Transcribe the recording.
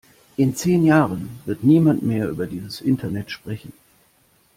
In zehn Jahren wird niemand mehr über dieses Internet sprechen!